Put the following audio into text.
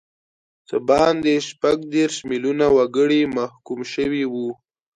څه باندې شپږ دیرش میلیونه وګړي محکوم شوي وو.